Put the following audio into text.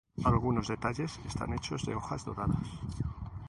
Algunos detalles están hechos de hojas doradas.